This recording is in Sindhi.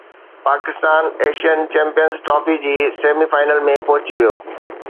پاڪستان ايشين چيمپيئنز ٽرافي جي سيمي فائنل ۾ پهچي ويو